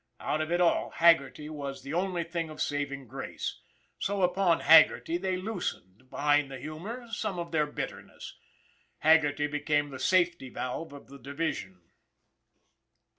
Out of it all, Haggerty was the only thing of saving grace! So upon Haggerty they loosened, behind the humor, some of their bitterness. Haggerty became the safety valve of the division.